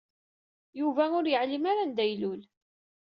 Yuba ur yeɛlim ara anda ilul.